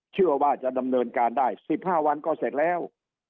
เชื่อว่าจะดำเนินการได้๑๕วันก็เสร็จแล้ว